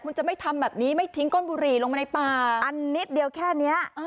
คุณจะไม่ทำแบบนี้ไม่ทิ้งก้นบุหรี่ลงมาในป่าอันนิดเดียวแค่นี้